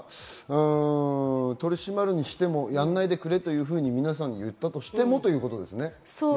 取り締まるにしても、やらないでと言ったとしてもということですね。